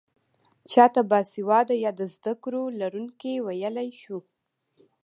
چا ته باسواده يا د زده کړو لرونکی ويلی شو؟